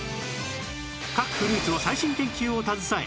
各フルーツの最新研究を携え